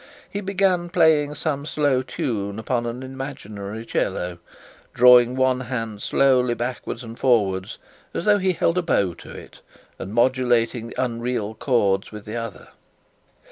He began playing some slow tune upon an imaginary violoncello, drawing one hand slowly backwards and forwards as though he held a bow in it, and modulating the unreal chords with the other.